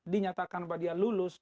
dinyatakan bahwa dia lulus